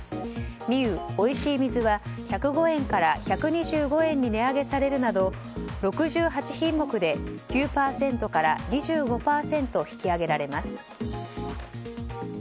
ミウおいしい水は１０５円から１２５円に値上げされるなど、６８品目で９％から２５％引き上げられます。